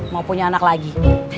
mau punya anak lagi